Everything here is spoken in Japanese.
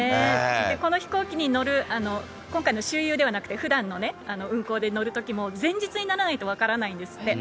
この飛行機に乗る、今回の周遊ではなくて、ふだんの運航で乗るときも、前日にならないと分からないんですって。